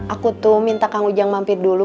aku tuh minta kang ujang mampir dulu